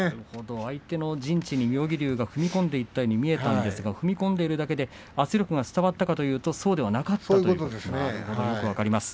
相手の陣地に妙義龍が踏み込んでいったように見えたんですが、踏み込んでいただけで、圧力が相手に伝わっていなかったということですか。